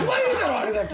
あれだけ。